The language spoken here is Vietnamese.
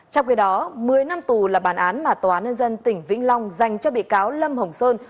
trong khi đó một mươi năm tù là bản án mà tòa án nhân dân tỉnh vĩnh long dành cho bị cáo lâm hồng sơn